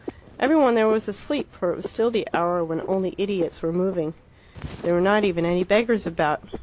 Every one there was asleep, for it was still the hour when only idiots were moving. There were not even any beggars about.